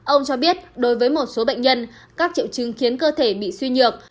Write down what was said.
ông cho biết đối với một số bệnh nhân các triệu chứng khiến cơ thể bị suy nhược